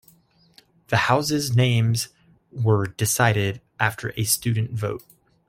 The houses names were decided on after a student vote.